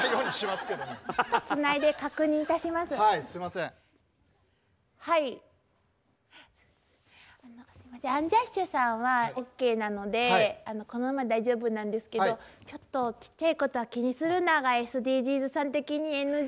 すいませんアンジャッシュさんはオーケーなのでこのままで大丈夫なんですけどちょっと「ちっちゃい事は気にするな」がＳＤＧｓさん的にＮＧ。